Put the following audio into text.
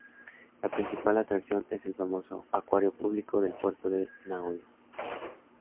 La principal atracción es el famoso Acuario Público del Puerto de Nagoya.